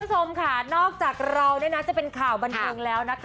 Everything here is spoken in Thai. คุณผู้ชมค่ะนอกจากเราเนี่ยนะจะเป็นข่าวบันเทิงแล้วนะคะ